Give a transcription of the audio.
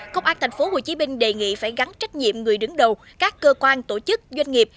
công an thành phố hồ chí minh đề nghị phải gắn trách nhiệm người đứng đầu các cơ quan tổ chức doanh nghiệp